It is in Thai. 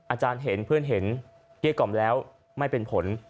อาจารย์เห็นเพื่อนเห็นเกลี้ยกล่อมแล้วไม่เป็นผล